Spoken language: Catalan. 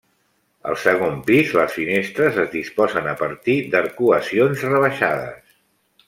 Al segon pis, les finestres es disposen a partir d'arcuacions rebaixades.